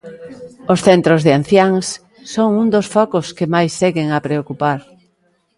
Os centros de anciáns son un dos focos que máis seguen a preocupar.